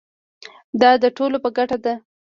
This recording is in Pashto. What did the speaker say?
دا د ټولو په ګټه ده.